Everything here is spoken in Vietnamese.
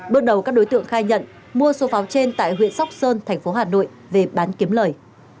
bước đầu các đối tượng khai nhận mua số pháo trên tại huyện sóc sơn thành phố hà nội về bán kiếm lời